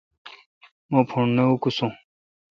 مہ پھوݨ نہ اوکوسو۔